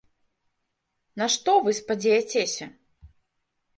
На што вы спадзеяцеся?